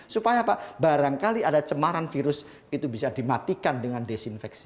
supaya pak barangkali ada cemaran virus itu bisa dimatikan dengan desinfeksi